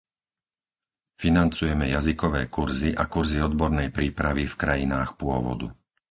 Financujeme jazykové kurzy a kurzy odbornej prípravy v krajinách pôvodu.